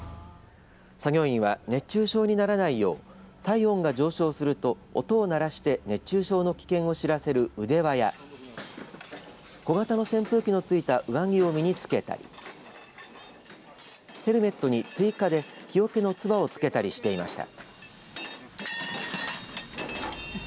作業員は、熱中症にならないよう体温が上昇すると音を鳴らして熱中症の危険を知らせる腕輪や小型の扇風機のついた上着を身につけたりヘルメットに追加で日よけのつばをつけたりしていました。